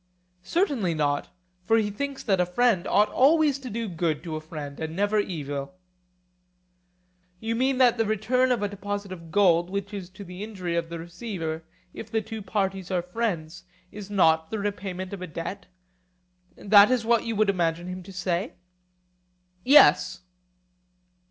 Certainly not; for he thinks that a friend ought always to do good to a friend and never evil. You mean that the return of a deposit of gold which is to the injury of the receiver, if the two parties are friends, is not the repayment of a debt,—that is what you would imagine him to say? Yes.